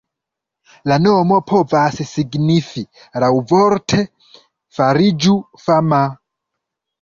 La nomo povas signifi laŭvorte "fariĝu fama".